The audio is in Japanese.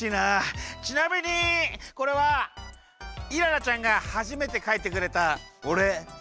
ちなみにこれはイララちゃんがはじめてかいてくれたおれ。